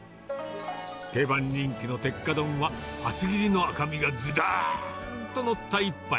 定番人気の鉄火丼は、厚切りの赤身がずどんと載った一杯。